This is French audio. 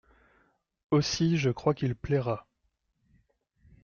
Aussi je crois qu’il plaira…